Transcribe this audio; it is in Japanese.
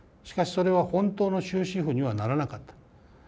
しかしそれは本当の終止符にはならなかった。